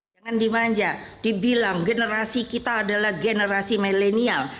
jangan dimanja dibilang generasi kita adalah generasi milenial